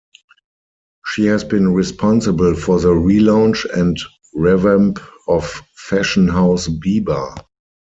She has been responsible for the relaunch and revamp of fashion house Biba.